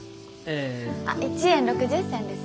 １円６０銭です。